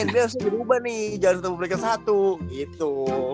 ini edwin harus diubah nih jangan ketemu peringkat satu gitu